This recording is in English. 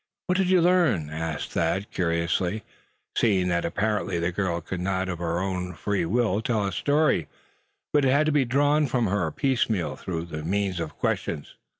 "What did you learn?" asked Thad, curiously, seeing that apparently the girl could not of her own free will tell a story, but it had to be drawn from her piece meal, through the means of questions.